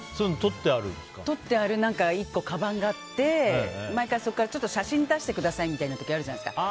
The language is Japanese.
取ってあるかばんがあって毎回、そこからちょっと写真出してくださいみたいなことあるじゃないですか。